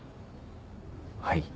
はい。